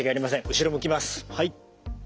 後ろ向きます。